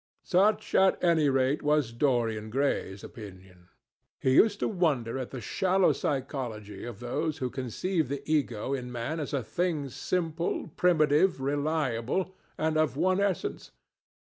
Such, at any rate, was Dorian Gray's opinion. He used to wonder at the shallow psychology of those who conceive the ego in man as a thing simple, permanent, reliable, and of one essence.